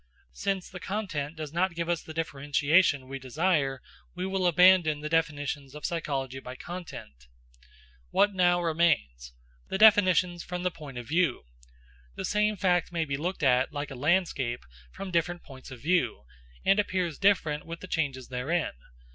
Since the content does not give us the differentiation we desire, we will abandon the definitions of psychology by content. What now remains? The definitions from the point of view. The same fact may he looked at, like a landscape, from different points of view, and appears different with the changes therein.